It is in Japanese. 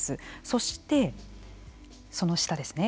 そして、その下ですね